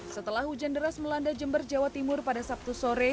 setelah hujan deras melanda jember jawa timur pada sabtu sore